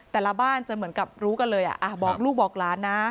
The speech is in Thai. แต่ละบ้านจะเหมือนกับรู้กันเลยบอกลูกบอกหลานนะ